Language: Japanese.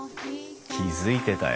気付いてたよ。